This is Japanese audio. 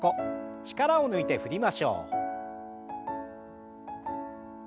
力を抜いて振りましょう。